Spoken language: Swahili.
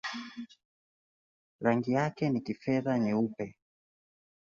Rangi yake ni kifedha-nyeupe.